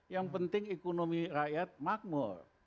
yang penting ekonomi rakyat makmur